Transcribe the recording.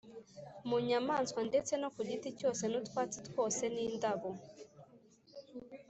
mu nyamaswa ndetse no ku giti cyose n’utwatsi twose n’indabo,